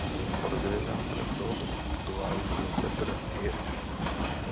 Organizátorem tohoto putování byl Petr Hirsch.